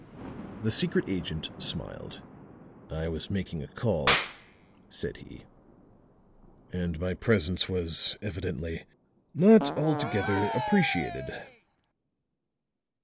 The secret agent smiled. "I was making a call," said he, "and my presence was evidently not altogether appreciated."